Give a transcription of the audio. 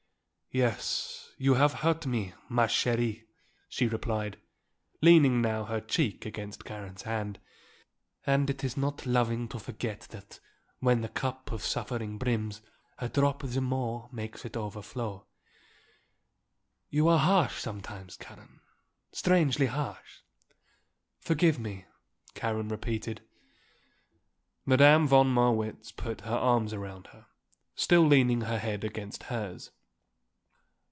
"Yes, you have hurt me, ma chérie," she replied, leaning now her cheek against Karen's head. "And it is not loving to forget that when a cup of suffering brims, a drop the more makes it overflow. You are harsh sometimes, Karen, strangely harsh." "Forgive me," Karen repeated. Madame von Marwitz put her arms around her, still leaning her head against hers.